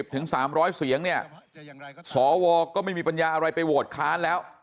ถึง๓๐๐เสียงเนี่ยสวก็ไม่มีปัญญาอะไรไปโหวตค้านแล้ว